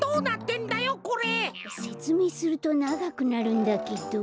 せつめいするとながくなるんだけど。